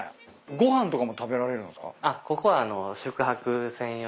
ご飯とかも食べられるんすか？